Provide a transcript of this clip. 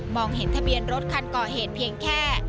เห็นทะเบียนรถคันก่อเหตุเพียงแค่